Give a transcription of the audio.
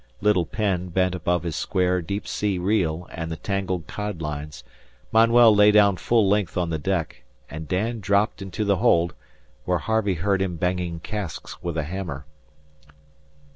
Little Penn bent above his square deep sea reel and the tangled cod lines; Manuel lay down full length on the deck, and Dan dropped into the hold, where Harvey heard him banging casks with a hammer.